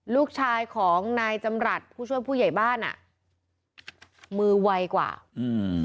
ลูกชายของนายจำรัฐผู้ช่วยผู้ใหญ่บ้านอ่ะมือไวกว่าอืม